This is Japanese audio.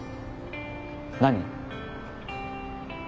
何？